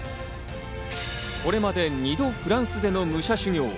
これまで２度、フランスでの武者修業。